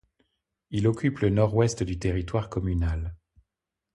Il occupe le nord-ouest du territoire communal.